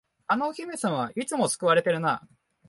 あのお姫様、いつも掠われてるな。